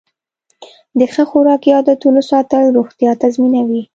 د ښه خوراکي عادتونو ساتل روغتیا تضمینوي.